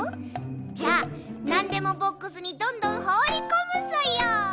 じゃあなんでもボックスにどんどんほうりこむソヨ！